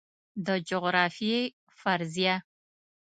د جغرافیې فرضیه